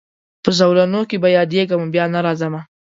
په زولنو کي به یادېږمه بیا نه راځمه